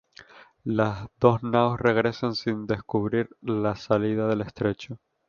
Las dos naos regresan sin descubrir la salida del estrecho.